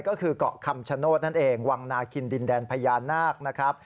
ก็คือเกาะคำชโนธนั่นเองวังนาคินดินแดนพญานาคนะครับ